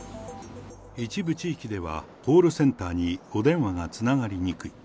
一部地域では、コールセンターにお電話がつながりにくい。